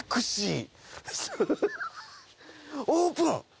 オープン。